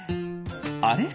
あれ？